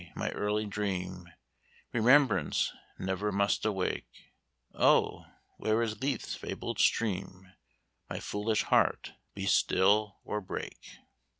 my early dream Remembrance never must awake: Oh! where is Lethe's fabled stream? My foolish heart, be still, or break."